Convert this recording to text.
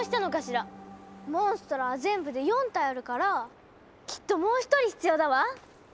モンストロは全部で４体あるからきっともう１人必要だわ！